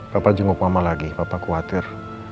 papa jenguk mama lagi papa khawatir